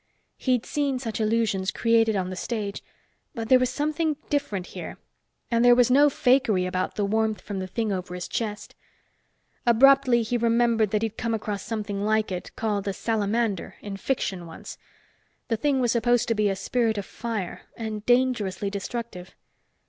He'd seen such illusions created on the stage, but there was something different here. And there was no fakery about the warmth from the thing over his chest. Abruptly he remembered that he'd come across something like it, called a salamander, in fiction once; the thing was supposed to be a spirit of fire, and dangerously destructive.